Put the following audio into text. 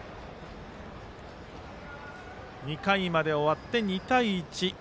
２回まで終わって２対１。